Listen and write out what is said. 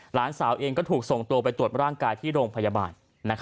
หลานสาวเองก็ถูกส่งตัวไปตรวจร่างกายที่โรงพยาบาล